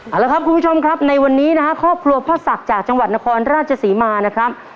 เอาละครับคุณผู้ชมครับในวันนี้นะฮะครอบครัวพ่อศักดิ์จากจังหวัดนครราชศรีมานะครับ